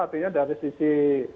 artinya dari sisi